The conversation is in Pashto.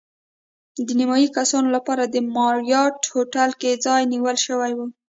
د نیمایي کسانو لپاره د ماریاټ هوټل کې ځای نیول شوی و.